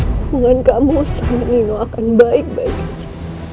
hubungan kamu sama nino akan baik baik saja